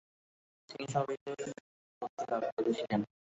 তিনি সবিশেষ ব্যুৎপত্তি লাভ করেছিলেন।